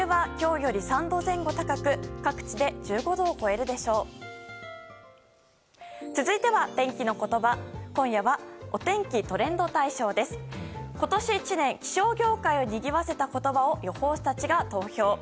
今年１年気象業界をにぎわせた言葉を予報士たちが投票。